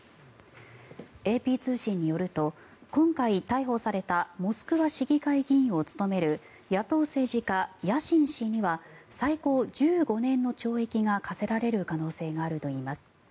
ＡＰ通信によると今回、逮捕されたモスクワ市議会議員を務める野党政治家、ヤシン氏には最高１５年の懲役が科せられる可能性があるといいます。